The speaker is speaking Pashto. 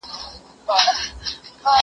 زه هره ورځ درسونه لوستل کوم!!